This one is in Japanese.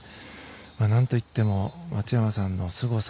なんといっても松山さんのすごさ